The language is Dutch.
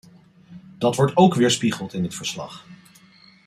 Dat wordt ook weerspiegeld in het verslag.